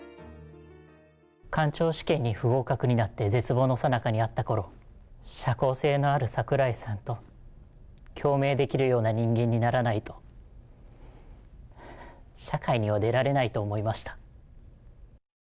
官庁試験に不合格になって絶望のさなかにあったころ、社交性のある桜井さんと、共鳴できるような人間にならないと、社会には出られないと思いました。